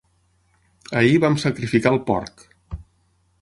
Ahir vam sacrificar el porc.